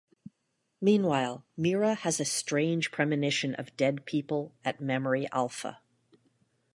Meanwhile, Mira has a strange premonition of dead people at Memory Alpha.